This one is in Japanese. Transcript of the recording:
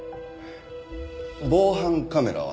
防犯カメラは？